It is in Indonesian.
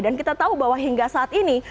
dan kita tahu bahwa hingga saat ini